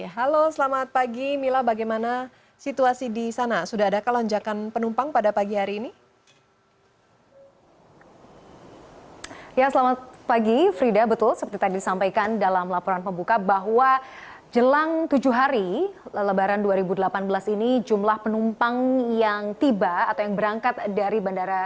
halo selamat pagi mila bagaimana situasi di sana sudah ada kelonjakan penumpang pada pagi hari ini